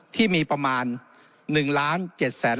ที่มีประมาณ๑๗๐๐๐๐๐ล้านย่อน